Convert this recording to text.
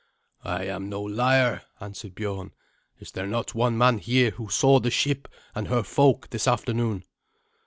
"I am no liar," answered Biorn. "Is there not one man here who saw the ship and her folk this afternoon?"